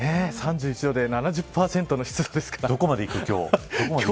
３１度で７０％の湿度どこまでいくの、今日。